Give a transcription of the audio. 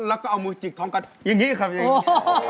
แล้วก็เอามือจิกท้องกันอย่างนี้ครับอย่างนี้